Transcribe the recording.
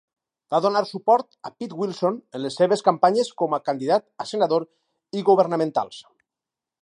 Va donar suport a Pete Wilson en les seves campanyes com a candidat a senador i governamentals.